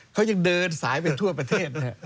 เขายังเดินสายไปทั่วประเทศ